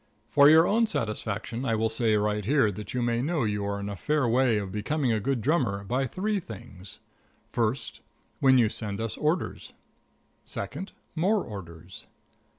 For your own satisfaction I will say right here that you may know you are in a fair way of becoming a good drummer by three things: First When you send us Orders. Second More Orders.